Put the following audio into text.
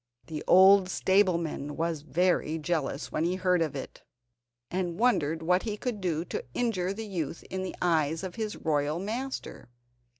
The old stableman was very jealous, when he heard of it, and wondered what he could do to injure the youth in the eyes of his royal master.